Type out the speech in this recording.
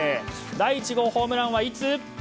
第１号のホームランはいつ？